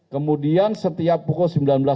kemudian setiap pukul sembilan belas